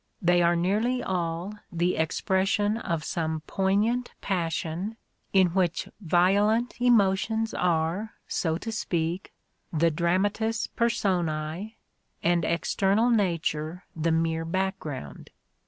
They are nearly all the expression of some poignant passion," in which violent emotions are, so to speak, the dramatis personce^ and external nature the mere background.